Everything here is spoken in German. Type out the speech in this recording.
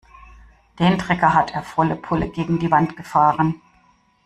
Den Trecker hat er volle Pulle gegen die Wand gefahren.